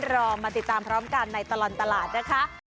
รอมาติดตามพร้อมกันในตลอดตลาดนะคะ